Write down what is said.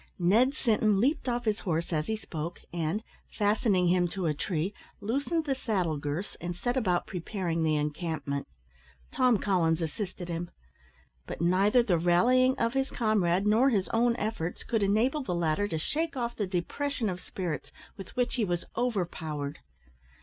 Ned Sinton leaped off his horse as he spoke, and, fastening him to a tree, loosened the saddle girths, and set about preparing the encampment. Tom Collins assisted him; but neither the rallying of his comrade, nor his own efforts could enable the latter to shake off the depression of spirits, with which he was overpowered.